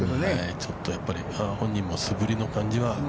◆ちょっとやっぱり本人も素振りの感じは。